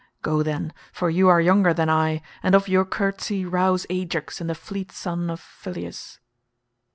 Go then, for you are younger than I, and of your courtesy rouse Ajax and the fleet son of Phyleus."